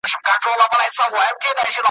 خو کوتري تا چي هر څه زېږولي ,